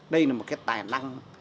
đây là một cái tài năng